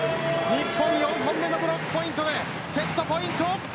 日本、４本目のブロックポイントでセットポイント。